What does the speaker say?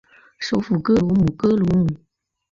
首府戈罗姆戈罗姆。